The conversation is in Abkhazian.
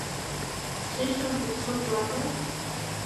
Сышьҭамҭа смырӡуазар?